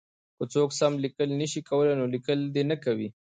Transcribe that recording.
که څوک سم لیکل نه شي کولای نو لیکل دې نه کوي.